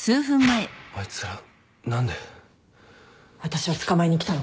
あいつら何で？私を捕まえに来たのかも